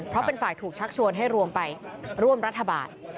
เพราะเป็นฝ่ายถูกชักชวนให้รวมไปร่วมรัฐบาล